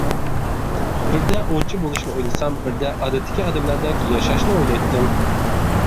بىردە ئوۋچى بولۇشنى ئويلىسام، بىردە ئادەتتىكى ئادەملەردەك ياشاشنى ئويلايتتىم.